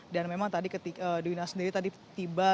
dan memang tadi dwi na sendiri tadi tiba